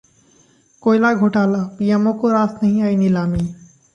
कोयला घोटाला: पीएमओ को रास नहीं आई नीलामी